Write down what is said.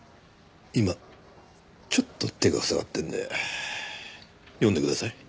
今ちょっと手が塞がってるんで読んでください。